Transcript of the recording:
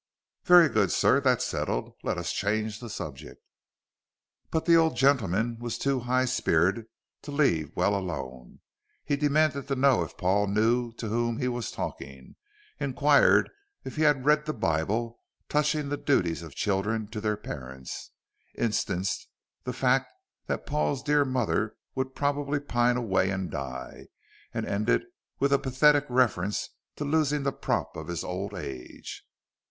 "Very good, sir, that's settled. Let us change the subject." But the old gentleman was too high spirited to leave well alone. He demanded to know if Paul knew to whom he was talking, inquired if he had read the Bible touching the duties of children to their parents, instanced the fact that Paul's dear mother would probably pine away and die, and ended with a pathetic reference to losing the prop of his old age.